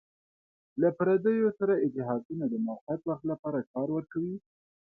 له پردیو سره اتحادونه د موقت وخت لپاره کار ورکوي.